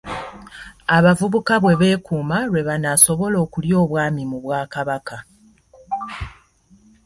Abavubuka bwe beekuuma lwe banaasobola okulya Obwami mu Bwakabaka.